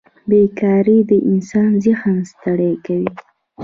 بېکارۍ د انسان ذهن ستړی کوي.